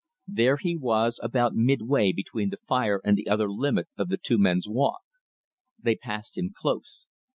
There he was about midway between the fire and the other limit of the two men's walk. They passed him close.